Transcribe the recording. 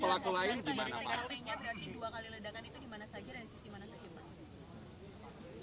kalau ide tkp nya berarti dua kali ledakan itu di mana saja dan sisi mana saja pak